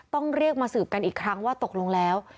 ต้องเรียกมาสืบกันอีกครั้งว่าตกลงแล้ว